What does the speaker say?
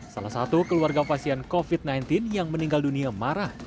salah satu keluarga pasien covid sembilan belas yang meninggal dunia marah